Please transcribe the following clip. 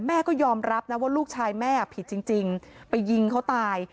แม่ก็ยอมรับนะว่าลูกชายแม่ผิดจริงไปยิงเขาตาย